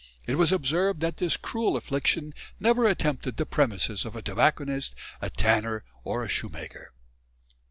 It was observed, that this cruel affliction never attempted the premises of a tobacconist, a tanner or a shoemaker."